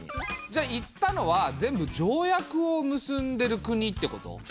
じゃあ行ったのは全部条約を結んでる国ってこと？